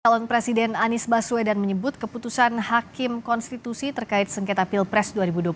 calon presiden anies baswedan menyebut keputusan hakim konstitusi terkait sengketa pilpres dua ribu dua puluh